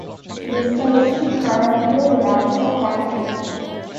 The station currently lacks a cafe.